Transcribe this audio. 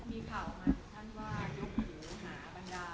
สอบศึกษ์ภักดิจันทร์ที่ฟัง